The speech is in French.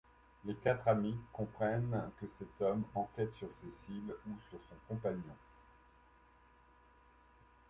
Les quatre amies comprennent que cet homme enquête sur Cécile, ou sur son compagnon.